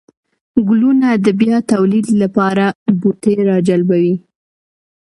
گلونه د بيا توليد لپاره بوټي راجلبوي